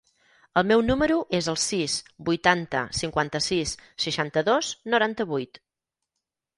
El meu número es el sis, vuitanta, cinquanta-sis, seixanta-dos, noranta-vuit.